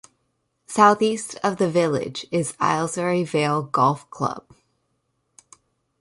Southeast of the village is Aylesbury Vale Golf Club.